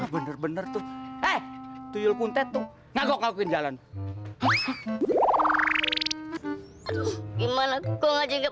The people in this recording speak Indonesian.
bener bener tuh eh tuyul kuntet tuh ngaku ngakuin jalan gimana kok aja nggak